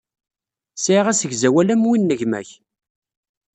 Sɛiɣ asegzawal am win n gma-k.